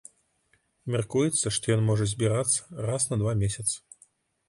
Мяркуецца, што ён можа збірацца раз на два месяцы.